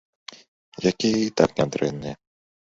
Якія і так нядрэнныя.